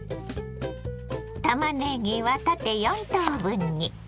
たまねぎは縦４等分に。